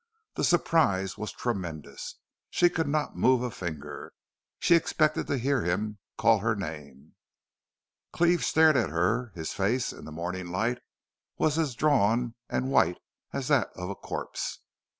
The surprise was tremendous. She could not move a finger. She expected to hear him call her name. Cleve stared at her. His face, in the morning light, was as drawn and white as that of a corpse.